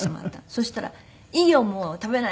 そしたら「いいよもう食べないで」